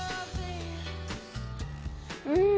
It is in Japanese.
うん！